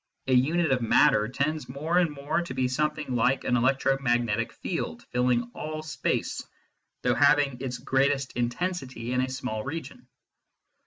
A unit of matter tends more and more to be something like an electromagnetic field filling all space, though having its greatest intensity in a small region.